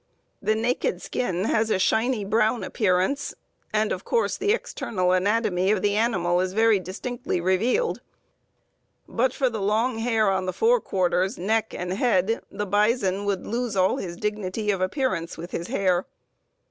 The naked skin has a shiny brown appearance, and of course the external anatomy of the animal is very distinctly revealed. But for the long hair on the fore quarters, neck, and head the bison would lose all his dignity of appearance with his hair.